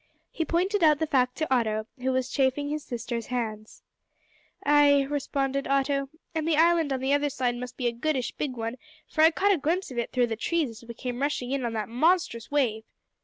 He pointed out the fact to Otto, who was chafing his sister's hands. "Ay," responded Otto, "and the island on the other side must be a goodish big one, for I got a glimpse of it through the trees as we came rushing in on that monstrous wave."